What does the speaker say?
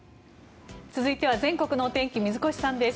続いては全国の天気水越さんです。